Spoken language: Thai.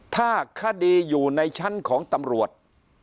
ถ้าคดีอยู่ในชั้นของตำรวจ